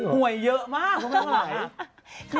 ห่วยเยอะมาก